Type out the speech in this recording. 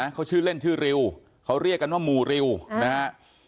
เขาชื่อเล่นชื่อริวเขาเรียกกันว่าหมู่ริวนะฮะ